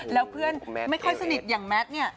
แล้วเพื่อนไม่ค่อยสนิทอย่างแมทเนี่ย